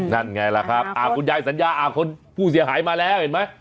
นั่นไงล่ะครับคุณยายสัญญาคนผู้เสียหายมาแล้วเห็นไหม